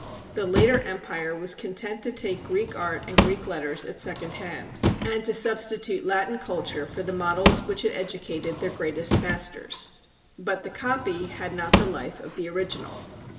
The later empire was content to take Greek art and Greek letters at second hand, and to substitute Latin culture for the models which had educated their greatest masters. But ... the copy had not the life of the original.